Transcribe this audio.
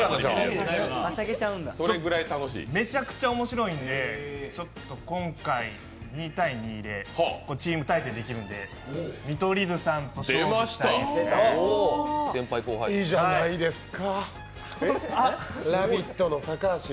めちゃくちゃ面白いんで、今回、２対２で、チーム対戦できるんで見取り図さんと勝負したいですね。